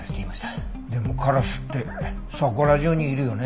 でもカラスってそこら中にいるよね。